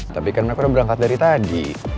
tapi kan mereka udah berangkat dari tadi